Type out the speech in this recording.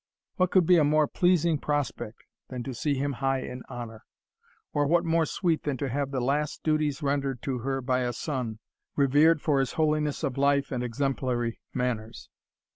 What could be a more pleasing prospect than to see him high in honour? or what more sweet than to have the last duties rendered to her by a son, reverend for his holiness of life and exemplary manners?